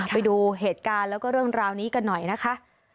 ไปดูเหตุการณ์แล้วก็เรื่องราวนี้กันหน่อยนะคะ